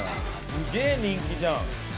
すげえ人気じゃん。